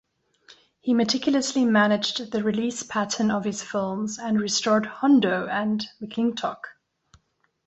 He meticulously managed the release pattern of his films and restored "Hondo" and "McLintock!